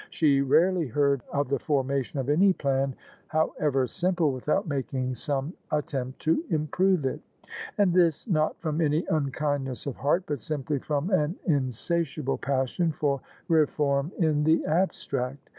She rarely heard of the formation of any plan, how ever simple, without making some attempt to improve it: and this not from any unkindness of heart, but simply from an insatiable passion for reform in the abstract.